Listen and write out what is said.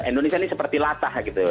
indonesia ini seperti latah gitu